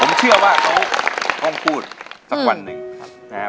ผมเชื่อว่าเขาต้องพูดสักวันหนึ่งนะฮะ